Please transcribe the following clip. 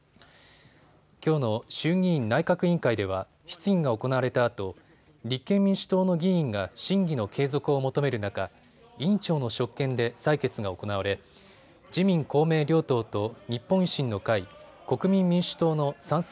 きょうの衆議院内閣委員会では質疑が行われたあと立憲民主党の議員が審議の継続を求める中、委員長の職権で採決が行われ自民公明両党と日本維新の会、国民民主党の賛成